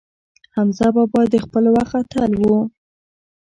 حمزه بابا د خپل وخت اتل و.